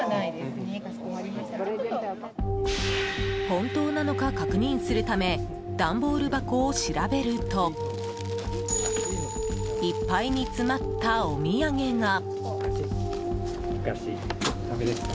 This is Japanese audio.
本当なのか確認するため段ボール箱を調べるといっぱいに詰まったお土産が。